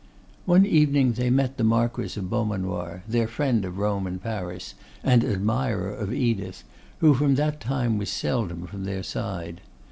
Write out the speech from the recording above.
One evening they met the Marquis of Beaumanoir, their friend of Rome and Paris, and admirer of Edith, who from that time was seldom from their side.